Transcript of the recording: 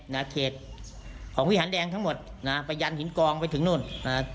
นะเขตของวิหารแดงทั้งหมดนะฮะไปยันหินกองไปถึงนู่นนะฮะ